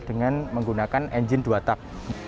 dengan menggunakan engine dua tak